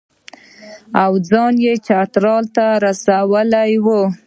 او ځان یې چترال ته ورساوه.